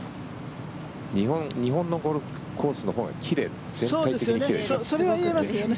日本のゴルフコースのほうが全体的に奇麗ですよね。